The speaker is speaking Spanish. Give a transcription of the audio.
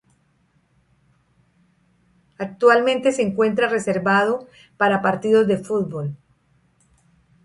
Actualmente se encuentra reservado para partidos de fútbol.